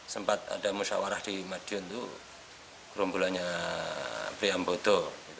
sempat ada musyawarah di madiun itu kerombolannya priambodo